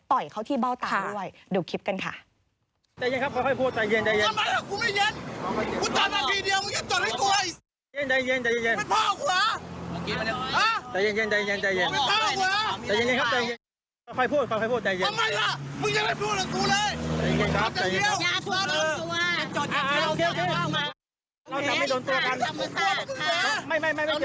ต่อยเขาที่เบ้าตาไว้